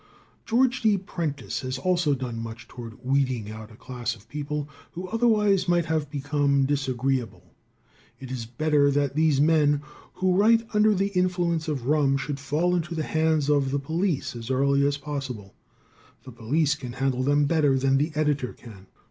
George D. Prentice has also done much toward weeding out a class of people who otherwise might have become disagreeable. It is better that these men who write under the influence of rum should fall into the hands of the police as early as possible. The police can handle them better than the editor can.